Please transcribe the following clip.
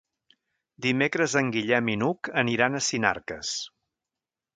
Dimecres en Guillem i n'Hug aniran a Sinarques.